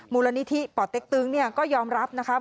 มูลนิธิป่อเต็กตึงก็ยอมรับนะคะ